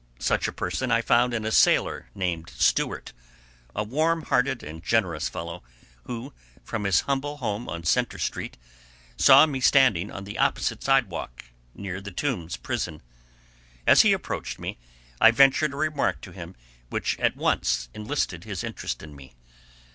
Such a person I found in a sailor named Stuart, a warm hearted and generous fellow, who, from his humble home on Centre street, saw me standing on the opposite sidewalk, near the Tombs prison. As he approached me, I ventured a remark to him which at once enlisted his interest in me.